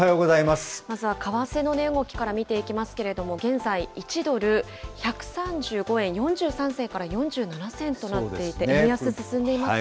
まずは為替の値動きから見ていきますけれども、現在、１ドル１３５円４３銭から４７銭となっていて、円安進んでいます